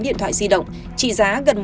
tám điện thoại di động trị giá gần